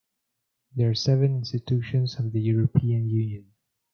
There are seven institutions of the European Union.